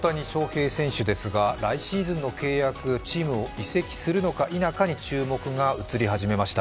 大谷翔平選手ですが来シーズンの契約、チームを移籍するのか否かに注目が移り始めました。